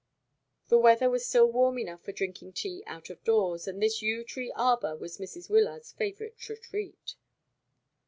The weather was still warm enough for drinking tea out of doors, and this yew tree arbour was Mrs. Wyllard's favourite retreat.